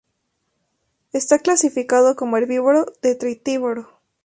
Está clasificado como herbívoro-detritívoro.